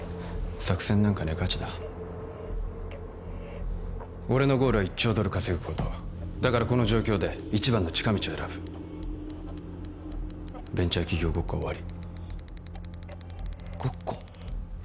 作戦なんかねえガチだ俺のゴールは１兆ドル稼ぐことだからこの状況で一番の近道を選ぶベンチャー企業ごっこは終わりごっこ？